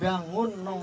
dari niat tujuannya ini